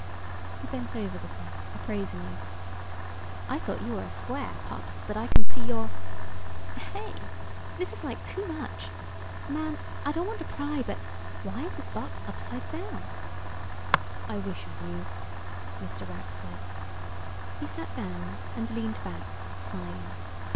He bent over the set, appraisingly. "I thought you were a square, Pops, but I can see you're.... Hey, this is like too much. Man, I don't want to pry, but why is this box upside down?" "I wish I knew," Mr. Rapp said. He sat down, and leaned back, sighing.